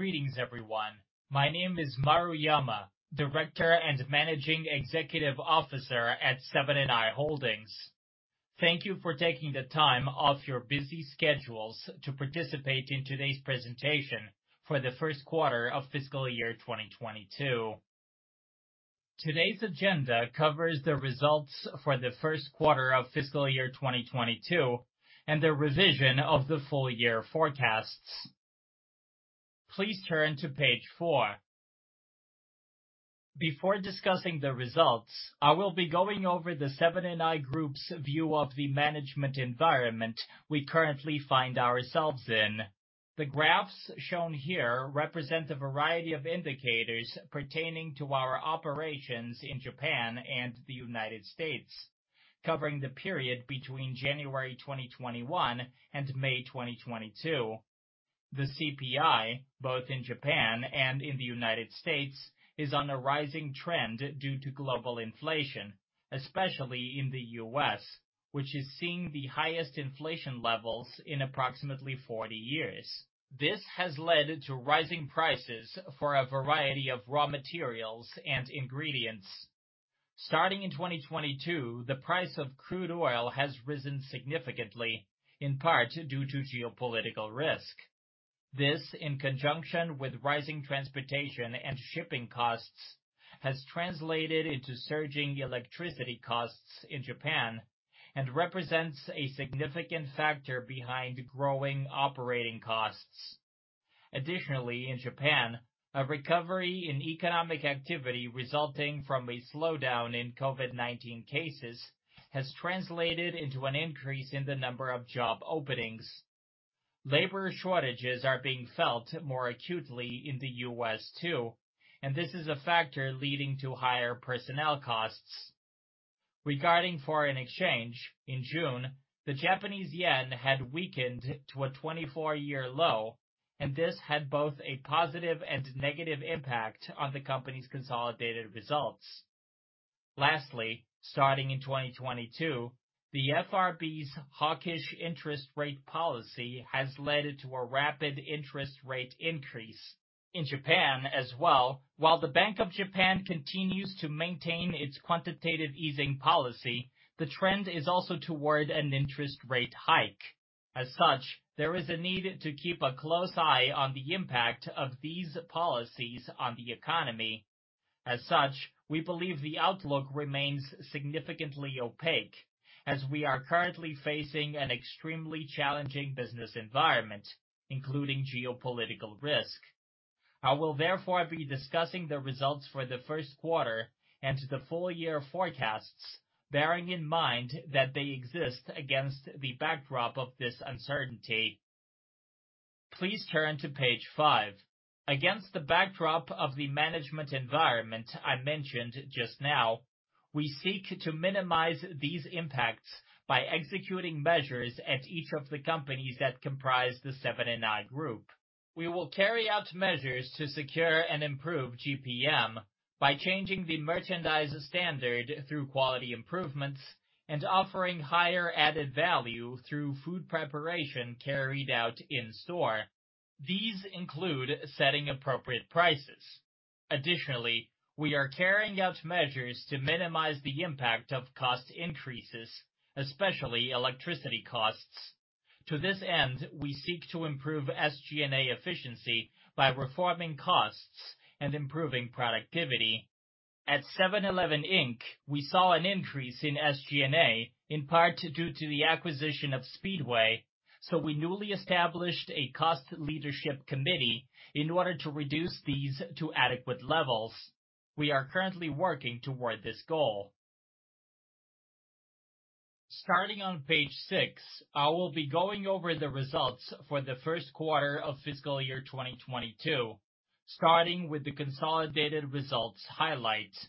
Greetings everyone. My name is Maruyama, Director and Managing Executive Officer at Seven & i Holdings. Thank you for taking the time off your busy schedules to participate in today's presentation for the first quarter of fiscal year 2022. Today's agenda covers the results for the first quarter of fiscal year 2022 and the revision of the full-year forecasts. Please turn to page four. Before discussing the results, I will be going over the Seven & i Group's view of the management environment we currently find ourselves in. The graphs shown here represent a variety of indicators pertaining to our operations in Japan and the United States, covering the period between January 2021 and May 2022. The CPI, both in Japan and in the United States, is on a rising trend due to global inflation, especially in the U.S., which is seeing the highest inflation levels in approximately 40 years. This has led to rising prices for a variety of raw materials and ingredients. Starting in 2022, the price of crude oil has risen significantly, in part due to geopolitical risk. This, in conjunction with rising transportation and shipping costs, has translated into surging electricity costs in Japan and represents a significant factor behind growing operating costs. Additionally, in Japan, a recovery in economic activity resulting from a slowdown in COVID-19 cases has translated into an increase in the number of job openings. Labor shortages are being felt more acutely in the U.S. too, and this is a factor leading to higher personnel costs. Regarding foreign exchange, in June, the Japanese yen had weakened to a 24-year low, and this had both a positive and negative impact on the company's consolidated results. Lastly, starting in 2022, the FRB's hawkish interest rate policy has led to a rapid interest rate increase. In Japan as well, while the Bank of Japan continues to maintain its quantitative easing policy, the trend is also toward an interest rate hike. As such, there is a need to keep a close eye on the impact of these policies on the economy. As such, we believe the outlook remains significantly opaque as we are currently facing an extremely challenging business environment, including geopolitical risk. I will therefore be discussing the results for the first quarter and the full-year forecasts, bearing in mind that they exist against the backdrop of this uncertainty. Please turn to page five. Against the backdrop of the management environment I mentioned just now, we seek to minimize these impacts by executing measures at each of the companies that comprise the Seven & i Group. We will carry out measures to secure and improve GPM by changing the merchandise standard through quality improvements and offering higher added value through food preparation carried out in-store. These include setting appropriate prices. Additionally, we are carrying out measures to minimize the impact of cost increases, especially electricity costs. To this end, we seek to improve SG&A efficiency by reforming costs and improving productivity. At 7-Eleven, Inc., we saw an increase in SG&A, in part due to the acquisition of Speedway, we newly established a cost leadership committee in order to reduce these to adequate levels. We are currently working toward this goal. Starting on page six, I will be going over the results for the first quarter of fiscal year 2022, starting with the consolidated results highlights.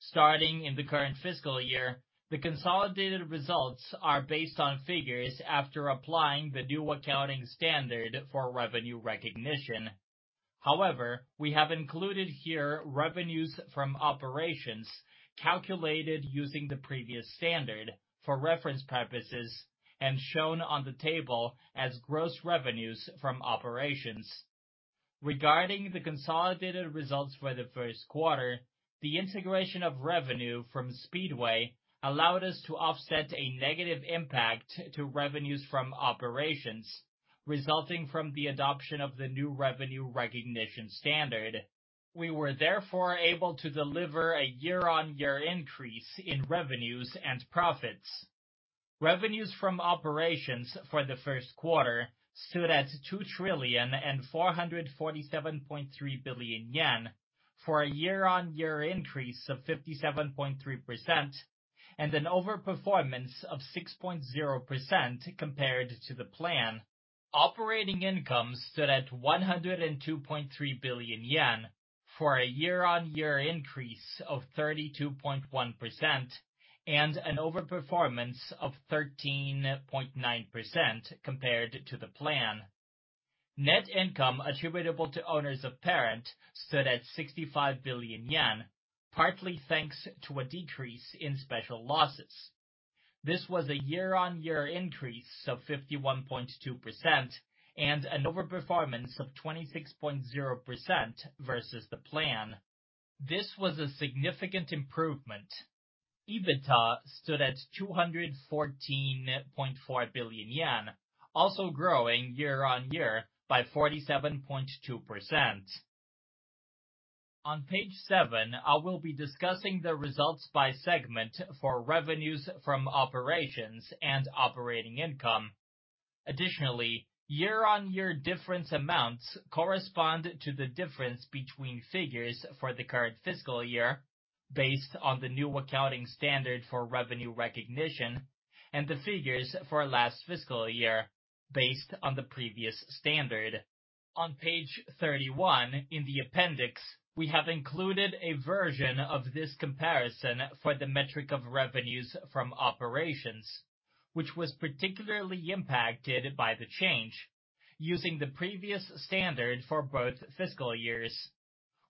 Starting in the current fiscal year, the consolidated results are based on figures after applying the new accounting standard for revenue recognition. However, we have included here revenues from operations calculated using the previous standard for reference purposes and shown on the table as gross revenues from operations. Regarding the consolidated results for the first quarter, the integration of revenue from Speedway allowed us to offset a negative impact to revenues from operations resulting from the adoption of the new revenue recognition standard. We were therefore able to deliver a year-on-year increase in revenues and profits. Revenues from operations for the first quarter stood at 2,447.3 billion yen, for a year-on-year increase of 57.3% and an overperformance of 6.0% compared to the plan. Operating income stood at 102.3 billion yen, for a year-on-year increase of 32.1% and an overperformance of 13.9% compared to the plan. Net income attributable to owners of parent stood at 65 billion yen, partly thanks to a decrease in special losses. This was a year-on-year increase of 51.2% and an overperformance of 26.0% versus the plan. This was a significant improvement. EBITDA stood at 214.4 billion yen, also growing year-on-year by 47.2%. On page seven, I will be discussing the results by segment for revenues from operations and operating income. Year-on-year difference amounts correspond to the difference between figures for the current fiscal year based on the new accounting standard for revenue recognition and the figures for last fiscal year based on the previous standard. On page 31, in the appendix, we have included a version of this comparison for the metric of revenues from operations, which was particularly impacted by the change using the previous standard for both fiscal years.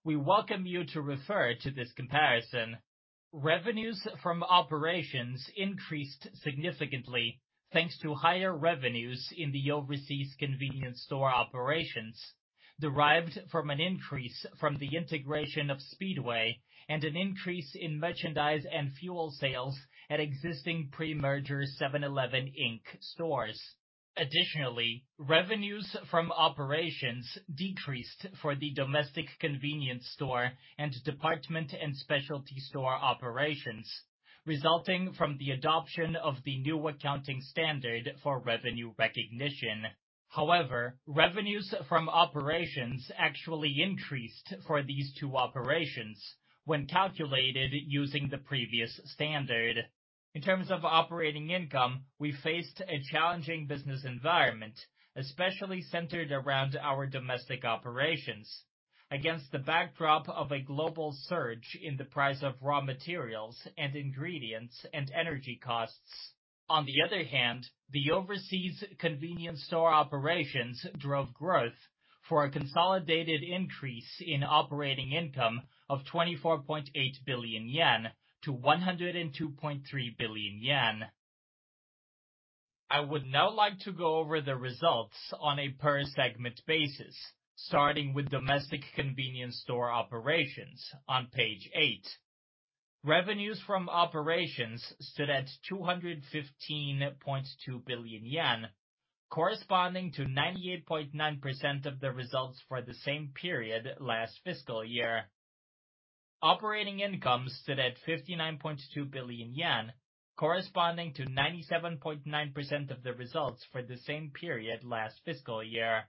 We welcome you to refer to this comparison. Revenues from operations increased significantly thanks to higher revenues in the overseas convenience store operations derived from an increase from the integration of Speedway and an increase in merchandise and fuel sales at existing pre-merger 7-Eleven, Inc. stores. Revenues from operations decreased for the domestic convenience store and department and specialty store operations, resulting from the adoption of the new accounting standard for revenue recognition. However, revenues from operations actually increased for these two operations when calculated using the previous standard. In terms of operating income, we faced a challenging business environment, especially centered around our domestic operations, against the backdrop of a global surge in the price of raw materials and ingredients and energy costs. On the other hand, the overseas convenience store operations drove growth for a consolidated increase in operating income of 24.8 billion yen to 102.3 billion yen. I would now like to go over the results on a per segment basis, starting with domestic convenience store operations on page eight. Revenues from operations stood at 215.2 billion yen, corresponding to 98.9% of the results for the same period last fiscal year. Operating income stood at 59.2 billion yen, corresponding to 97.9% of the results for the same period last fiscal year.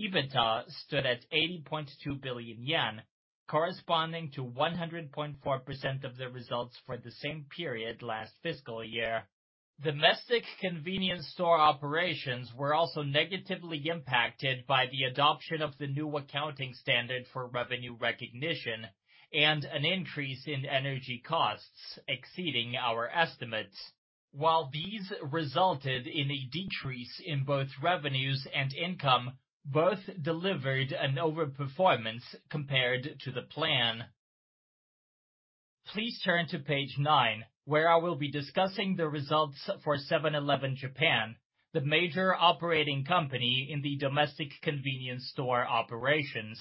EBITDA stood at 80.2 billion yen, corresponding to 100.4% of the results for the same period last fiscal year. Domestic convenience store operations were also negatively impacted by the adoption of the new accounting standard for revenue recognition and an increase in energy costs exceeding our estimates. While these resulted in a decrease in both revenues and income, both delivered an overperformance compared to the plan. Please turn to page nine, where I will be discussing the results for Seven-Eleven Japan, the major operating company in the domestic convenience store operations.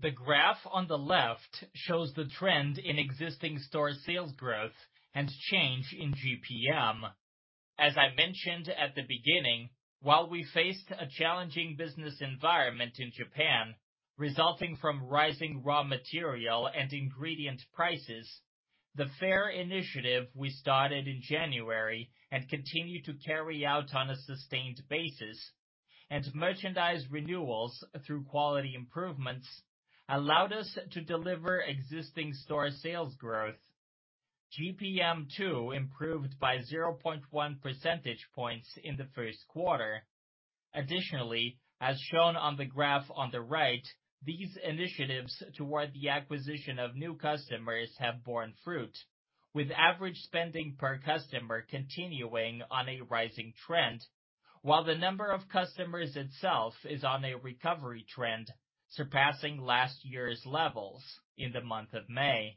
The graph on the left shows the trend in existing store sales growth and change in GPM. As I mentioned at the beginning, while we faced a challenging business environment in Japan, resulting from rising raw material and ingredient prices, the fair initiative we started in January and continue to carry out on a sustained basis, and merchandise renewals through quality improvements allowed us to deliver existing store sales growth. GPM too improved by 0.1 percentage points in the first quarter. As shown on the graph on the right, these initiatives toward the acquisition of new customers have borne fruit, with average spending per customer continuing on a rising trend, while the number of customers itself is on a recovery trend surpassing last year's levels in the month of May.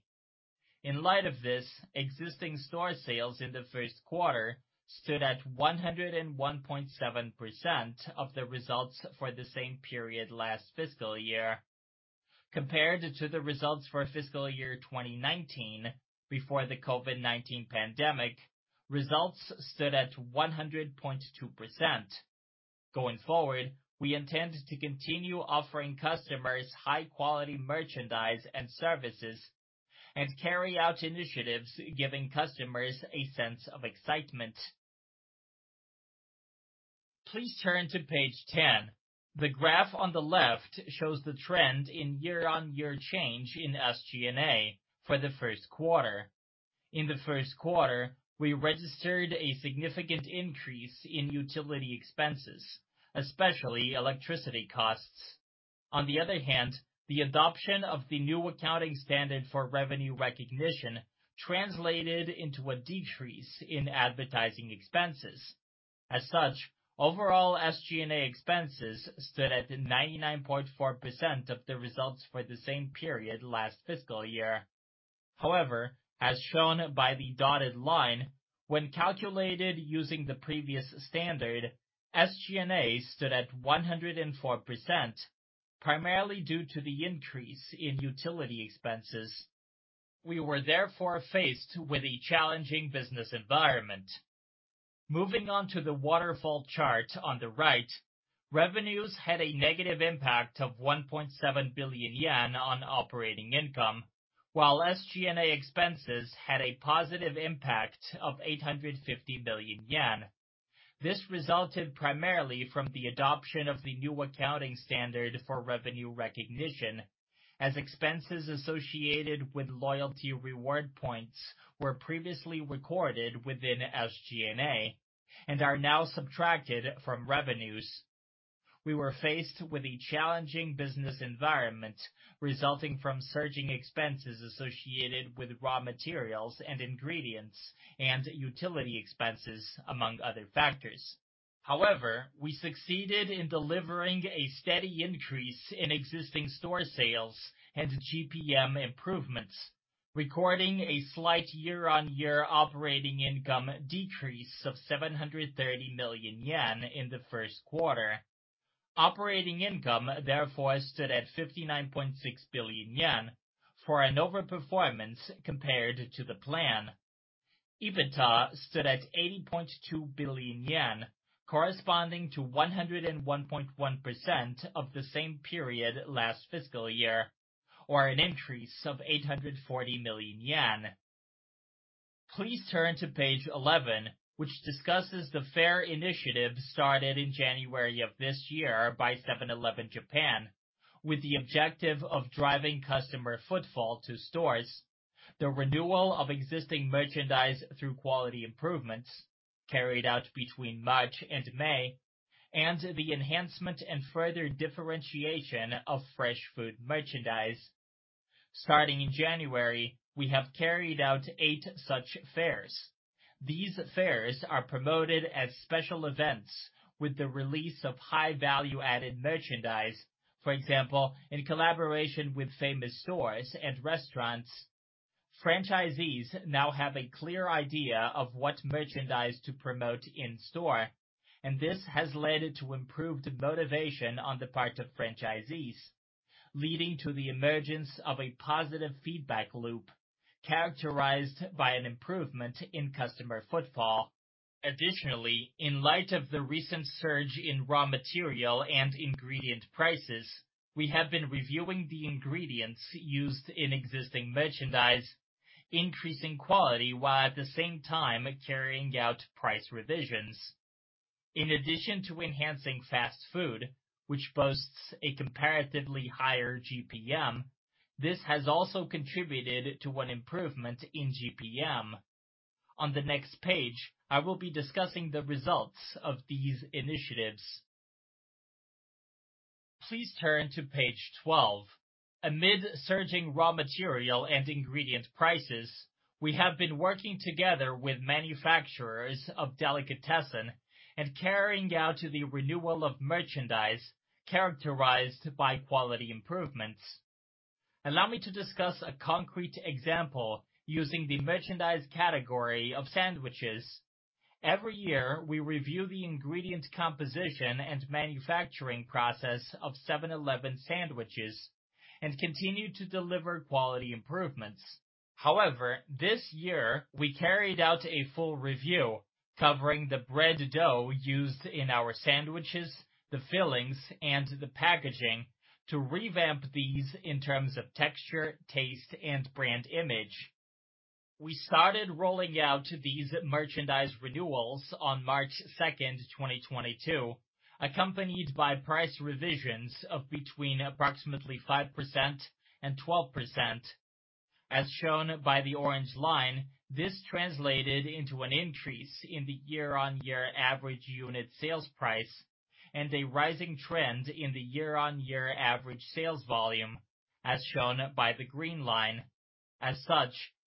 In light of this, existing store sales in the first quarter stood at 101.7% of the results for the same period last fiscal year. Compared to the results for fiscal year 2019, before the COVID-19 pandemic, results stood at 100.2%. Going forward, we intend to continue offering customers high-quality merchandise and services and carry out initiatives giving customers a sense of excitement. Please turn to page 10. The graph on the left shows the trend in year-on-year change in SG&A for the first quarter. In the first quarter, we registered a significant increase in utility expenses, especially electricity costs. The adoption of the new accounting standard for revenue recognition translated into a decrease in advertising expenses. As such, overall SG&A expenses stood at 99.4% of the results for the same period last fiscal year. However, as shown by the dotted line, when calculated using the previous standard, SG&A stood at 104%, primarily due to the increase in utility expenses. We were therefore faced with a challenging business environment. Moving on to the waterfall chart on the right, revenues had a negative impact of 1.7 billion yen on operating income, while SG&A expenses had a positive impact of 850 million yen. This resulted primarily from the adoption of the new accounting standard for revenue recognition, as expenses associated with loyalty reward points were previously recorded within SG&A and are now subtracted from revenues. We were faced with a challenging business environment resulting from surging expenses associated with raw materials and ingredients and utility expenses, among other factors. However, we succeeded in delivering a steady increase in existing store sales and GPM improvements, recording a slight year-on-year operating income decrease of 730 million yen in the first quarter. Operating income therefore stood at 59.6 billion yen, for an overperformance compared to the plan. EBITDA stood at 80.2 billion yen, corresponding to 101.1% of the same period last fiscal year, or an increase of 840 million yen. Please turn to page 11, which discusses the fair initiative started in January of this year by Seven-Eleven Japan with the objective of driving customer footfall to stores, the renewal of existing merchandise through quality improvements carried out between March and May, and the enhancement and further differentiation of fresh food merchandise. Starting in January, we have carried out eight such fairs. These fairs are promoted as special events with the release of high value-added merchandise, for example, in collaboration with famous stores and restaurants. Franchisees now have a clear idea of what merchandise to promote in-store. This has led to improved motivation on the part of franchisees, leading to the emergence of a positive feedback loop characterized by an improvement in customer footfall. Additionally, in light of the recent surge in raw material and ingredient prices, we have been reviewing the ingredients used in existing merchandise, increasing quality while at the same time carrying out price revisions. In addition to enhancing fast food, which boasts a comparatively higher GPM, this has also contributed to an improvement in GPM. On the next page, I will be discussing the results of these initiatives. Please turn to page 12. Amid surging raw material and ingredient prices, we have been working together with manufacturers of delicatessen and carrying out the renewal of merchandise characterized by quality improvements. Allow me to discuss a concrete example using the merchandise category of sandwiches. Every year, we review the ingredient composition and manufacturing process of 7-Eleven sandwiches and continue to deliver quality improvements. However, this year, we carried out a full review covering the bread dough used in our sandwiches, the fillings, and the packaging to revamp these in terms of texture, taste, and brand image. We started rolling out these merchandise renewals on March 2nd, 2022, accompanied by price revisions of between approximately 5%-12%. As shown by the orange line, this translated into an increase in the year-on-year average unit sales price and a rising trend in the year-on-year average sales volume, as shown by the green line.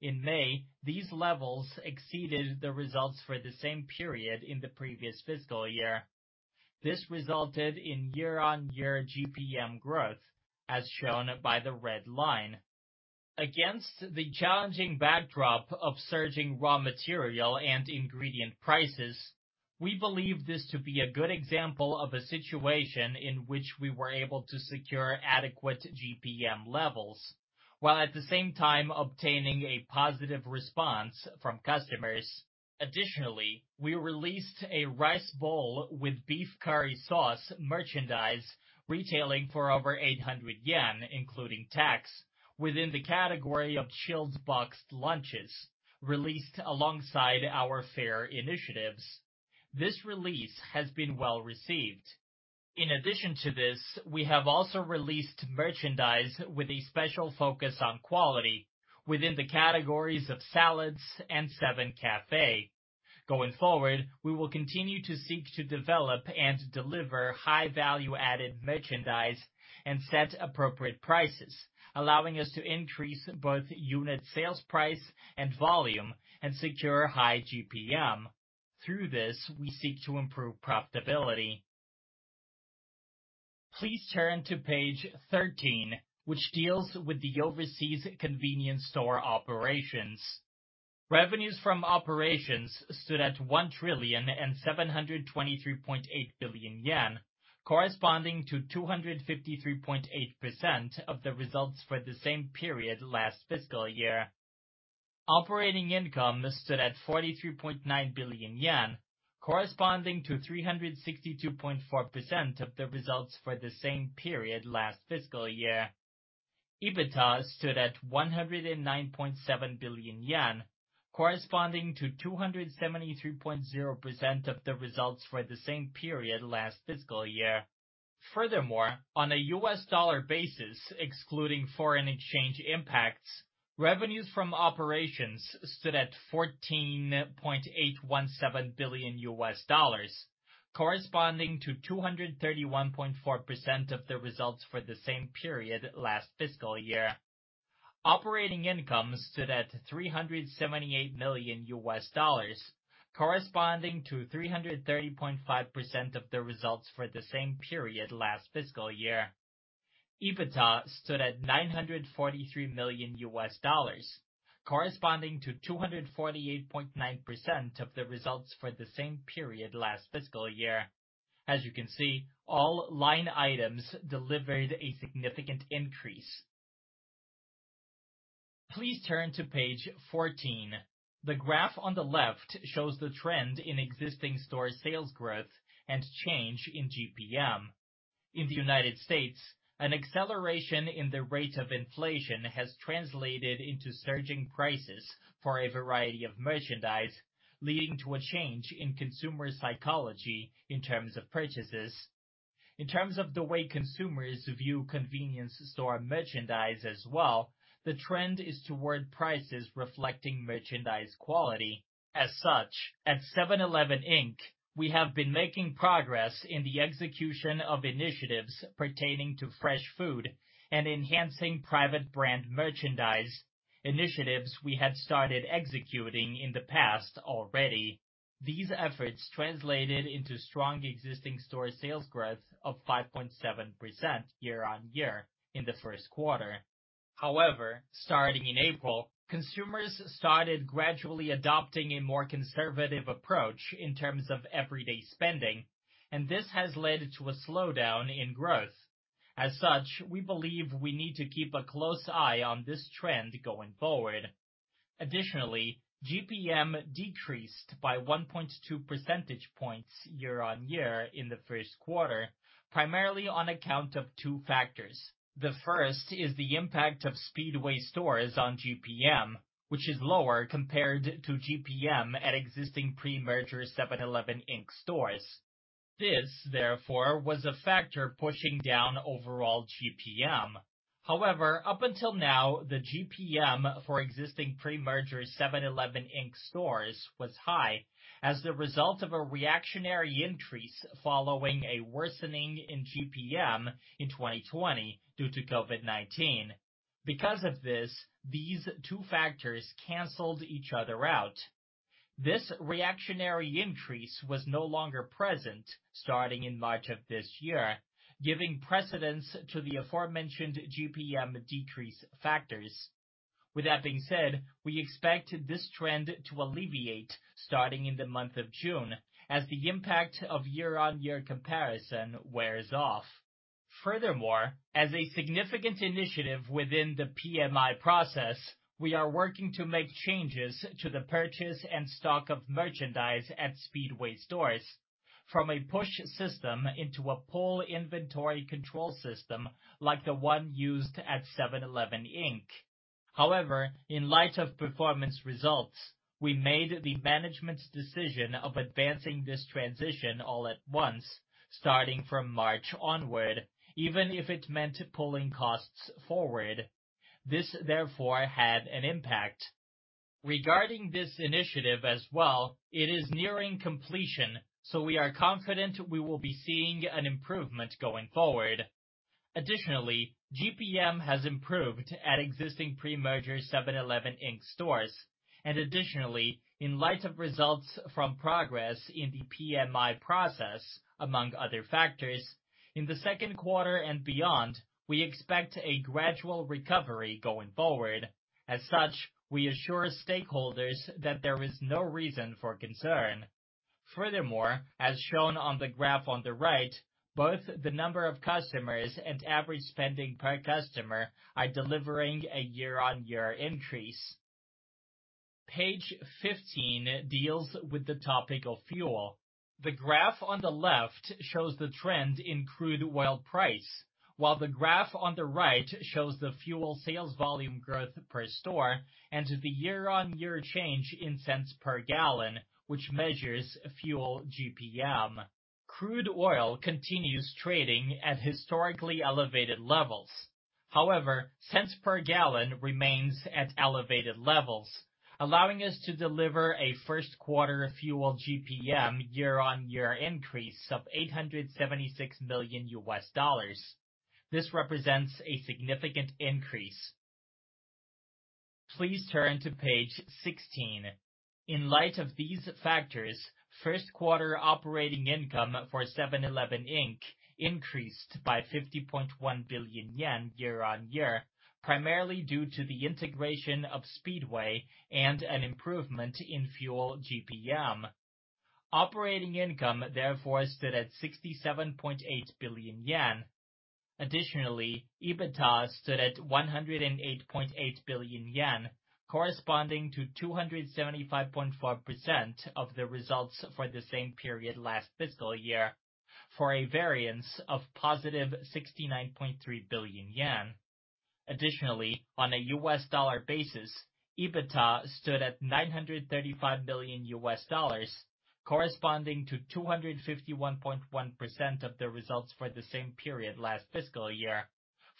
In May, these levels exceeded the results for the same period in the previous fiscal year. This resulted in year-on-year GPM growth, as shown by the red line. Against the challenging backdrop of surging raw material and ingredient prices, we believe this to be a good example of a situation in which we were able to secure adequate GPM levels while at the same time obtaining a positive response from customers. Additionally, we released a rice bowl with beef curry sauce merchandise retailing for over 800 yen, including tax, within the category of chilled boxed lunches released alongside our fair initiatives. This release has been well-received. In addition to this, we have also released merchandise with a special focus on quality within the categories of salads and 7 CAFÉ. Going forward, we will continue to seek to develop and deliver high value-added merchandise and set appropriate prices, allowing us to increase both unit sales price and volume and secure high GPM. Through this, we seek to improve profitability. Please turn to page 13, which deals with the overseas convenience store operations. Revenues from operations stood at 1,723.8 billion yen, corresponding to 253.8% of the results for the same period last fiscal year. Operating income stood at 43.9 billion yen, corresponding to 362.4% of the results for the same period last fiscal year. EBITDA stood at 109.7 billion yen, corresponding to 273.0% of the results for the same period last fiscal year. Furthermore, on a U.S. dollar basis, excluding foreign exchange impacts, revenues from operations stood at $14.817 billion, corresponding to 231.4% of the results for the same period last fiscal year. Operating income stood at $378 million, corresponding to 330.5% of the results for the same period last fiscal year. EBITDA stood at $943 million, corresponding to 248.9% of the results for the same period last fiscal year. As you can see, all line items delivered a significant increase. Please turn to page 14. The graph on the left shows the trend in existing store sales growth and change in GPM. In the United States, an acceleration in the rate of inflation has translated into surging prices for a variety of merchandise, leading to a change in consumer psychology in terms of purchases. In terms of the way consumers view convenience store merchandise as well, the trend is toward prices reflecting merchandise quality. At 7-Eleven Inc., we have been making progress in the execution of initiatives pertaining to fresh food and enhancing private brand merchandise, initiatives we had started executing in the past already. These efforts translated into strong existing store sales growth of 5.7% year-on-year in the first quarter. Starting in April, consumers started gradually adopting a more conservative approach in terms of everyday spending, this has led to a slowdown in growth. We believe we need to keep a close eye on this trend going forward. GPM decreased by 1.2 percentage points year-on-year in the first quarter, primarily on account of two factors. The first is the impact of Speedway stores on GPM, which is lower compared to GPM at existing pre-merger 7-Eleven Inc. stores. This, therefore, was a factor pushing down overall GPM. Up until now, the GPM for existing pre-merger 7-Eleven Inc. stores was high as the result of a reactionary increase following a worsening in GPM in 2020 due to COVID-19. These two factors canceled each other out. This reactionary increase was no longer present starting in March of this year, giving precedence to the aforementioned GPM decrease factors. With that being said, we expect this trend to alleviate starting in the month of June, as the impact of year-on-year comparison wears off. As a significant initiative within the PMI process, we are working to make changes to the purchase and stock of merchandise at Speedway stores from a push system into a pull inventory control system like the one used at 7-Eleven Inc. In light of performance results, we made the management's decision of advancing this transition all at once, starting from March onward, even if it meant pulling costs forward. This therefore had an impact. Regarding this initiative as well, it is nearing completion, we are confident we will be seeing an improvement going forward. GPM has improved at existing pre-merger 7-Eleven Inc. stores. In light of results from progress in the PMI process, among other factors, in the second quarter and beyond, we expect a gradual recovery going forward. We assure stakeholders that there is no reason for concern. As shown on the graph on the right, both the number of customers and average spending per customer are delivering a year-on-year increase. Page 15 deals with the topic of fuel. The graph on the left shows the trend in crude oil price, while the graph on the right shows the fuel sales volume growth per store and the year-on-year change in cents per gallon, which measures fuel GPM. Crude oil continues trading at historically elevated levels. However, cents per gallon remains at elevated levels, allowing us to deliver a first quarter fuel GPM year-on-year increase of JPY 876 million. This represents a significant increase. Please turn to page 16. In light of these factors, first quarter operating income for 7-Eleven Inc. increased by 50.1 billion yen year-on-year, primarily due to the integration of Speedway and an improvement in fuel GPM. Operating income therefore stood at 67.8 billion yen. Additionally, EBITDA stood at 108.8 billion yen, corresponding to 275.4% of the results for the same period last fiscal year, for a variance of positive 69.3 billion yen. Additionally, on a US dollar basis, EBITDA stood at $935 million US, corresponding to 251.1% of the results for the same period last fiscal year,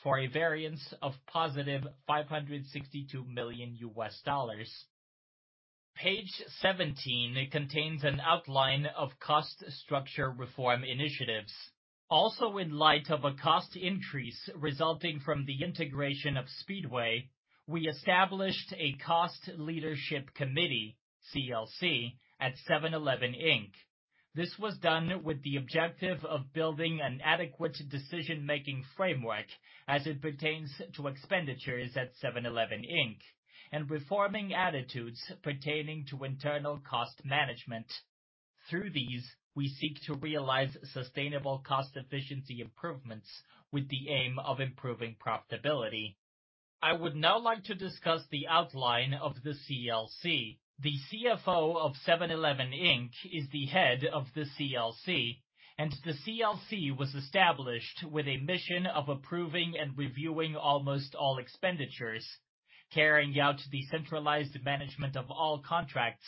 for a variance of positive $562 million US. Page 17 contains an outline of cost structure reform initiatives. Also in light of a cost increase resulting from the integration of Speedway, we established a cost leadership committee, CLC, at 7-Eleven Inc. This was done with the objective of building an adequate decision-making framework as it pertains to expenditures at 7-Eleven Inc., and reforming attitudes pertaining to internal cost management. Through these, we seek to realize sustainable cost efficiency improvements with the aim of improving profitability. I would now like to discuss the outline of the CLC. The CFO of 7-Eleven Inc. is the head of the CLC, and the CLC was established with a mission of approving and reviewing almost all expenditures, carrying out the centralized management of all contracts,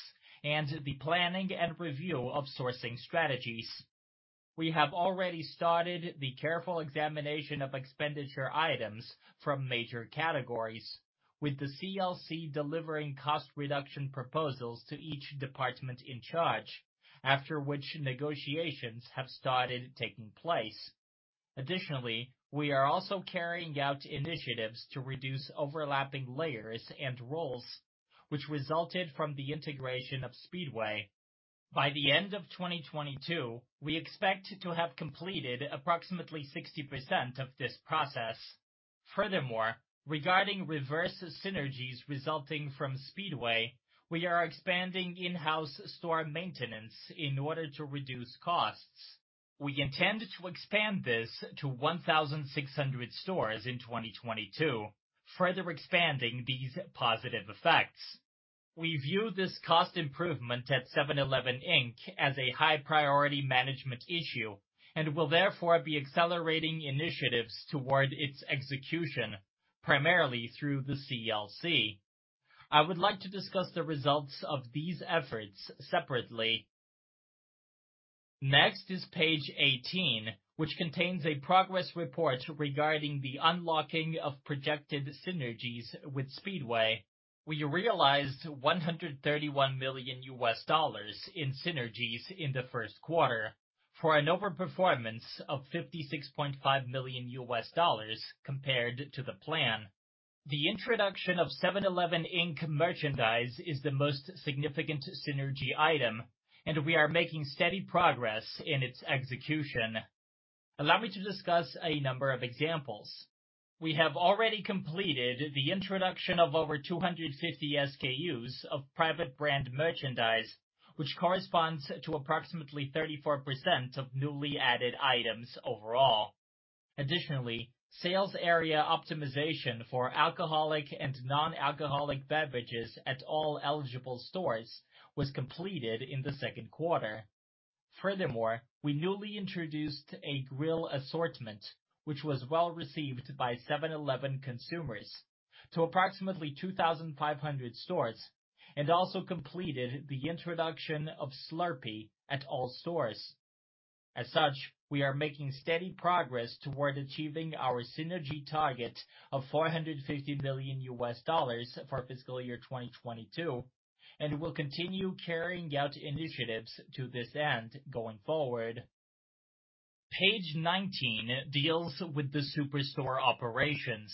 and the planning and review of sourcing strategies. We have already started the careful examination of expenditure items from major categories, with the CLC delivering cost reduction proposals to each department in charge, after which negotiations have started taking place. Additionally, we are also carrying out initiatives to reduce overlapping layers and roles, which resulted from the integration of Speedway. By the end of 2022, we expect to have completed approximately 60% of this process. Furthermore, regarding reverse synergies resulting from Speedway, we are expanding in-house store maintenance in order to reduce costs. We intend to expand this to 1,600 stores in 2022, further expanding these positive effects. We view this cost improvement at 7-Eleven Inc. as a high priority management issue and will therefore be accelerating initiatives toward its execution, primarily through the CLC. I would like to discuss the results of these efforts separately. Next is page 18, which contains a progress report regarding the unlocking of projected synergies with Speedway. We realized $131 million US in synergies in the first quarter for an overperformance of $56.5 million US compared to the plan. The introduction of 7-Eleven Inc. merchandise is the most significant synergy item, and we are making steady progress in its execution. Allow me to discuss a number of examples. We have already completed the introduction of over 250 SKUs of private brand merchandise, which corresponds to approximately 34% of newly added items overall. Additionally, sales area optimization for alcoholic and non-alcoholic beverages at all eligible stores was completed in the second quarter. Furthermore, we newly introduced a grill assortment, which was well-received by 7-Eleven consumers to approximately 2,500 stores, and also completed the introduction of Slurpee at all stores. As such, we are making steady progress toward achieving our synergy target of $450 million for fiscal year 2022, and will continue carrying out initiatives to this end going forward. Page 19 deals with the Superstore operations.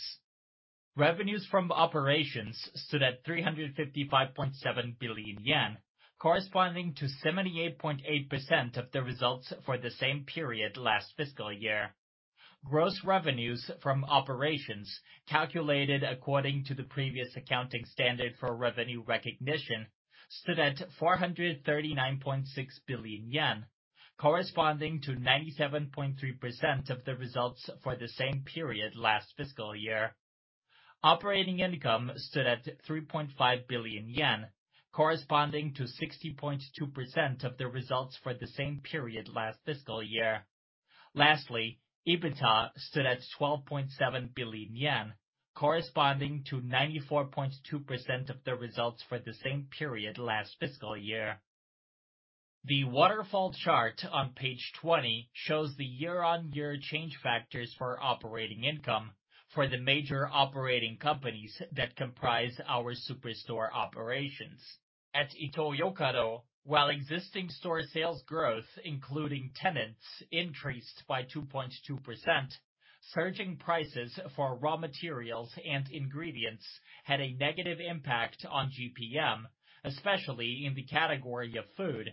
Revenues from operations stood at 355.7 billion yen, corresponding to 78.8% of the results for the same period last fiscal year. Gross revenues from operations, calculated according to the previous accounting standard for revenue recognition, stood at 439.6 billion yen, corresponding to 97.3% of the results for the same period last fiscal year. Operating income stood at 3.5 billion yen, corresponding to 60.2% of the results for the same period last fiscal year. Lastly, EBITDA stood at 12.7 billion yen, corresponding to 94.2% of the results for the same period last fiscal year. The waterfall chart on page 20 shows the year-on-year change factors for operating income for the major operating companies that comprise our Superstore operations. At Ito-Yokado, while existing store sales growth, including tenants, increased by 2.2%, surging prices for raw materials and ingredients had a negative impact on GPM, especially in the category of food.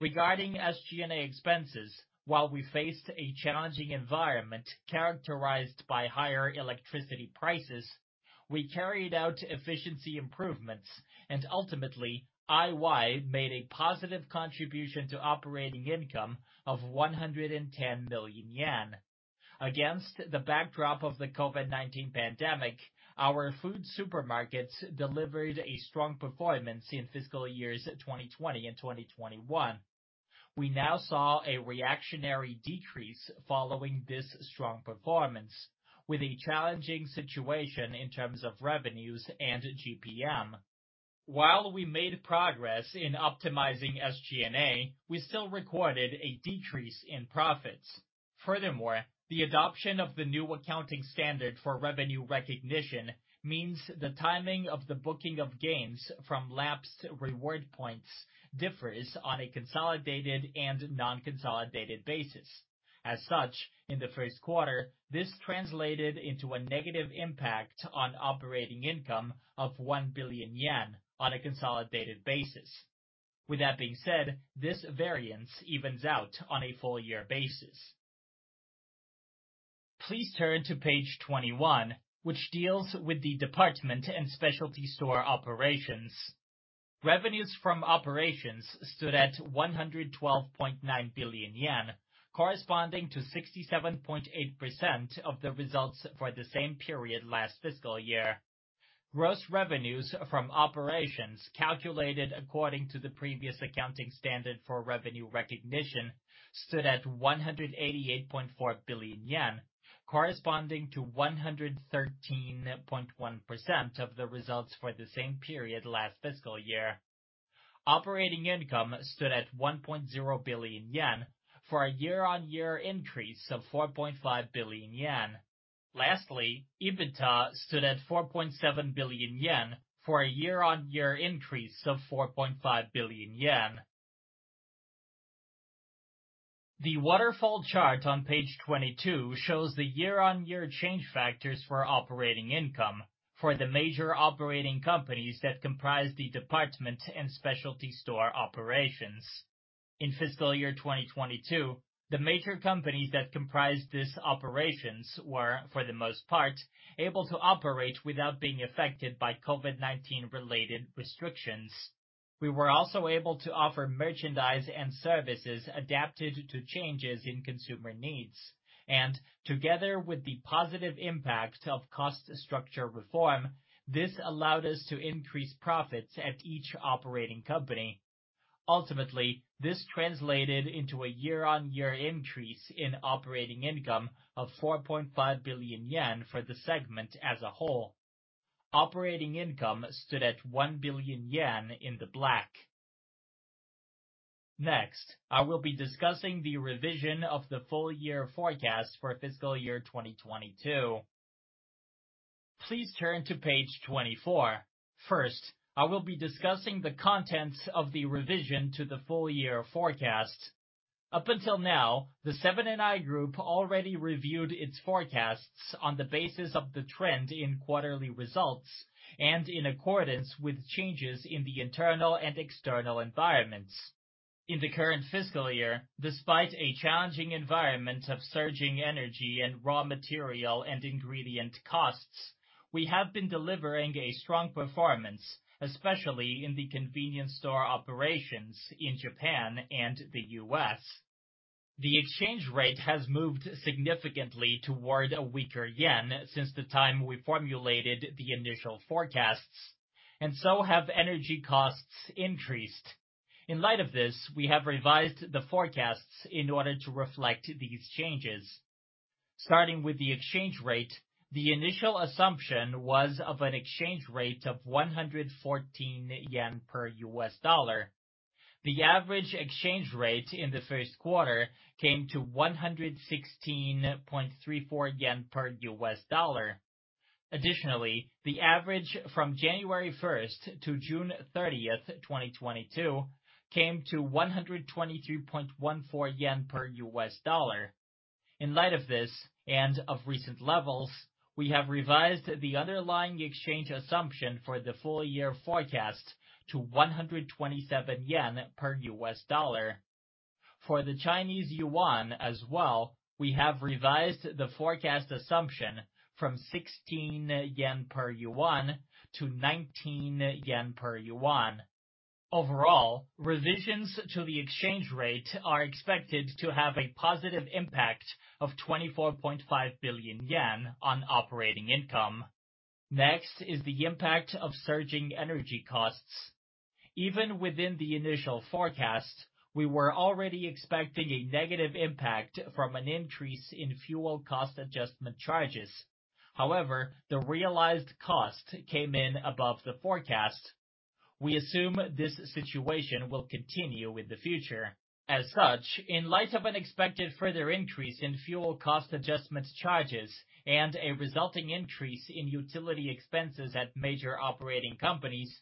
Regarding SG&A expenses, while we faced a challenging environment characterized by higher electricity prices, we carried out efficiency improvements, and ultimately, IY made a positive contribution to operating income of 110 million yen. Against the backdrop of the COVID-19 pandemic, our food supermarkets delivered a strong performance in fiscal years 2020 and 2021. We now saw a reactionary decrease following this strong performance, with a challenging situation in terms of revenues and GPM. While we made progress in optimizing SG&A, we still recorded a decrease in profits. Furthermore, the adoption of the new accounting standard for revenue recognition means the timing of the booking of gains from lapsed reward points differs on a consolidated and non-consolidated basis. As such, in the first quarter, this translated into a negative impact on operating income of 1 billion yen on a consolidated basis. With that being said, this variance evens out on a full-year basis. Please turn to page 21, which deals with the department and specialty store operations. Revenues from operations stood at 112.9 billion yen, corresponding to 67.8% of the results for the same period last fiscal year. Gross revenues from operations calculated according to the previous accounting standard for revenue recognition stood at 188.4 billion yen, corresponding to 113.1% of the results for the same period last fiscal year. Operating income stood at 1.0 billion yen, for a year-on-year increase of 4.5 billion yen. Lastly, EBITDA stood at 4.7 billion yen for a year-on-year increase of 4.5 billion yen. The waterfall chart on page 22 shows the year-on-year change factors for operating income for the major operating companies that comprise the department and specialty store operations. In fiscal year 2022, the major companies that comprised these operations were, for the most part, able to operate without being affected by COVID-19-related restrictions. We were also able to offer merchandise and services adapted to changes in consumer needs. Together with the positive impact of cost structure reform, this allowed us to increase profits at each operating company. Ultimately, this translated into a year-on-year increase in operating income of 4.5 billion yen for the segment as a whole. Operating income stood at 1 billion yen in the black. I will be discussing the revision of the full-year forecast for fiscal year 2022. Please turn to page 24. I will be discussing the contents of the revision to the full-year forecast. Up until now, the Seven & i Group already reviewed its forecasts on the basis of the trend in quarterly results and in accordance with changes in the internal and external environments. In the current fiscal year, despite a challenging environment of surging energy and raw material and ingredient costs, we have been delivering a strong performance, especially in the convenience store operations in Japan and the U.S. The exchange rate has moved significantly toward a weaker yen since the time we formulated the initial forecasts, and so have energy costs increased. In light of this, we have revised the forecasts in order to reflect these changes. Starting with the exchange rate, the initial assumption was of an exchange rate of 114 yen per U.S. dollar. The average exchange rate in the first quarter came to 116.34 yen per U.S. dollar. Additionally, the average from January 1st to June 30th, 2022, came to 123.14 yen per U.S. dollar. In light of this, and of recent levels, we have revised the underlying exchange assumption for the full-year forecast to 127 yen per U.S. dollar. For the Chinese yuan as well, we have revised the forecast assumption from CNY 16 per yuan to CNY 19 per yuan. Overall, revisions to the exchange rate are expected to have a positive impact of 24.5 billion yen on operating income. Next is the impact of surging energy costs. Even within the initial forecast, we were already expecting a negative impact from an increase in fuel cost adjustment charges. However, the realized cost came in above the forecast. We assume this situation will continue with the future. As such, in light of an expected further increase in fuel cost adjustment charges and a resulting increase in utility expenses at major operating companies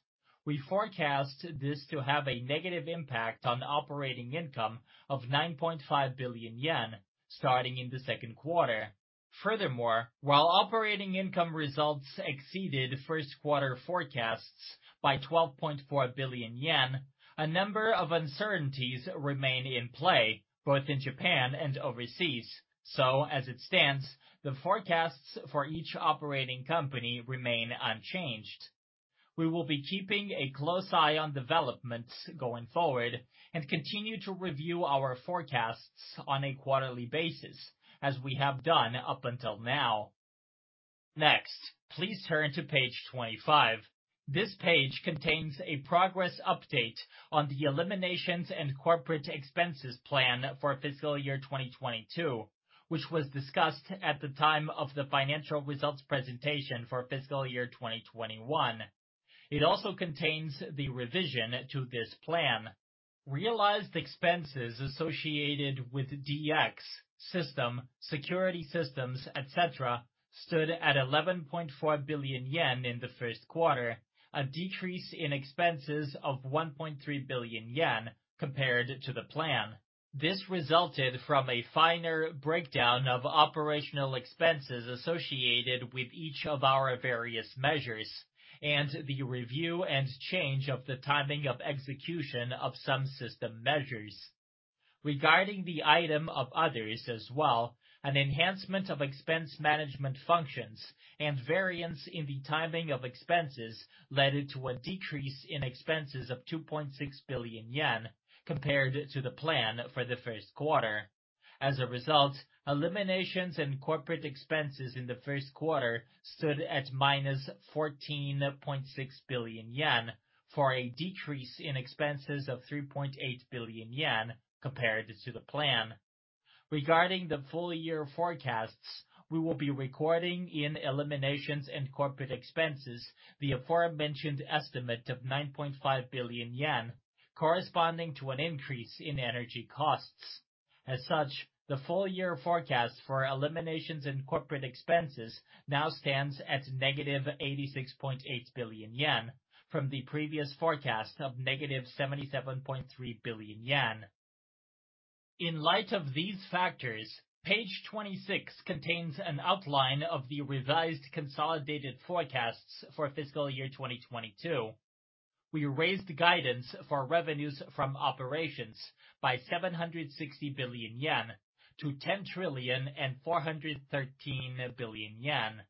We forecast this to have a negative impact on operating income of 9.5 billion yen starting in the second quarter. Furthermore, while operating income results exceeded first quarter forecasts by 12.4 billion yen, a number of uncertainties remain in play both in Japan and overseas. As it stands, the forecasts for each operating company remain unchanged. We will be keeping a close eye on developments going forward and continue to review our forecasts on a quarterly basis as we have done up until now. Next, please turn to page 25. This page contains a progress update on the eliminations and corporate expenses plan for fiscal year 2022, which was discussed at the time of the financial results presentation for fiscal year 2021. It also contains the revision to this plan. Realized expenses associated with DX, system, security systems, et cetera, stood at 11.4 billion yen in the first quarter, a decrease in expenses of 1.3 billion yen compared to the plan. This resulted from a finer breakdown of operational expenses associated with each of our various measures and the review and change of the timing of execution of some system measures. Regarding the item of others as well, an enhancement of expense management functions and variance in the timing of expenses led to a decrease in expenses of 2.6 billion yen compared to the plan for the first quarter. As a result, eliminations and corporate expenses in the first quarter stood at minus 14.6 billion yen for a decrease in expenses of 3.8 billion yen compared to the plan. Regarding the full year forecasts, we will be recording in eliminations and corporate expenses the aforementioned estimate of 9.5 billion yen corresponding to an increase in energy costs. As such, the full year forecast for eliminations and corporate expenses now stands at negative 86.8 billion yen from the previous forecast of negative 77.3 billion yen. In light of these factors, page 26 contains an outline of the revised consolidated forecasts for fiscal year 2022. We raised guidance for revenues from operations by 760 billion yen to 10,413 billion yen.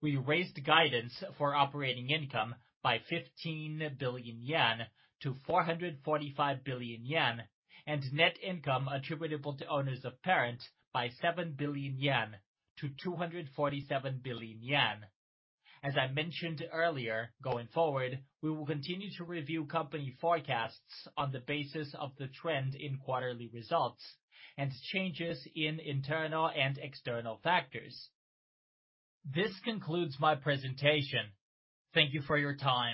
We raised guidance for operating income by 15 billion yen to 445 billion yen and net income attributable to owners of parents by 7 billion yen to 247 billion yen. As I mentioned earlier, going forward, we will continue to review company forecasts on the basis of the trend in quarterly results and changes in internal and external factors. This concludes my presentation. Thank you for your time.